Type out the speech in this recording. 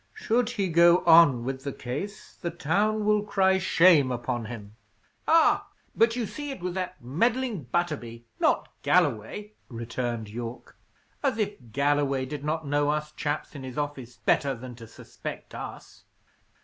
"Should he go on with the case, the town will cry shame upon him." "Ah, but you see it was that meddling Butterby, not Galloway," returned Yorke. "As if Galloway did not know us chaps in his office better than to suspect us!"